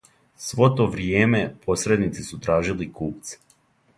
Сво то вријеме, посредници су тражили купце.